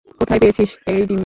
কোথায় পেয়েছিস এই ডিমটা?